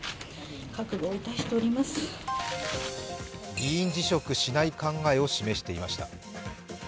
議員辞職しない考えを示していました。